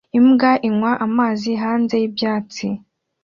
Imbwa inywa amazi hanze y'ibyatsi